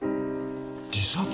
自殺！？